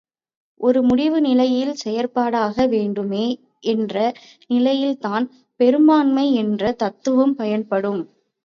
ஒரு முடிவு நிலையில் செயற்பட்டாக வேண்டுமே என்ற நிலையில் தான் பெரும்பான்மை என்ற தத்துவம் பயன்படும்.